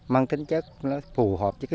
mang tính chất phù hợp với